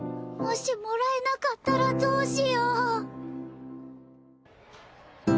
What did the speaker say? もしもらえなかったらどうしよう。